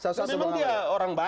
memang dia orang baik